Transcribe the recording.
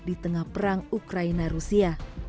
di tengah perang ukraina rusia